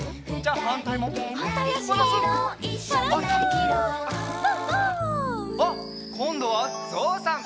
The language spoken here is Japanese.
あっこんどはぞうさん！